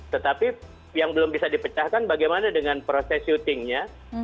tetapi yang belum bisa dipecahkan bagaimana dengan proses syutingnya